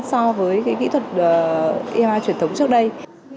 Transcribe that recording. so với cái kỹ thuật uima truyền thống trước đây